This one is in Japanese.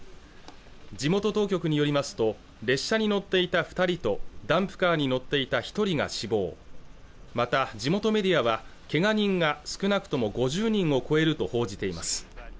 地元当局によりますと列車に乗っていた二人とダンプカーに乗っていた一人が死亡また地元メディアはけが人が少なくとも５０人を超えると報じています